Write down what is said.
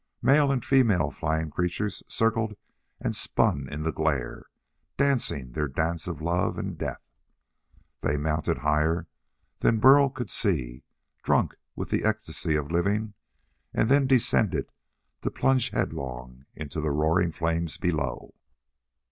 Male and female flying creatures circled and spun in the glare, dancing their dance of love and death. They mounted higher than Burl could see, drunk with the ecstasy of living, and then descended to plunge headlong in the roaring flames below.